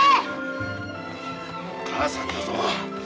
お母さんだぞ。